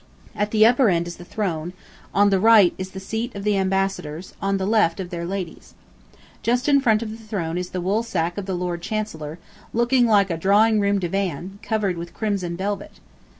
At the upper end is the throne, on the right is the seat of the ambassadors, on the left, of their ladies. Just in front of the throne is the wool sack of the Lord Chancellor, looking like a drawing room divan, covered with crimson velvet.